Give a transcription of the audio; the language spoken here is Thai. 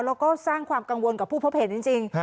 แล้วก็สร้างความกังวลกับผู้พบเห็นจริง